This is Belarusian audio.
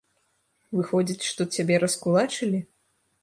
Выходзіць, што цябе раскулачылі?